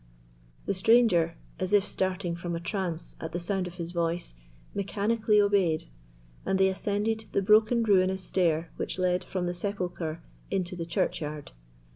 The stranger, as if starting from a trance at the sound of his voice, mechanically obeyed, and they ascended the broken ruinous stair which led from the sepulchre into the churchyard.